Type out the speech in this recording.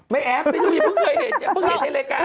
ไม่แอปอย่าเพิ่งเห็นในรายการ